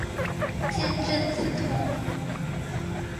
见正字通。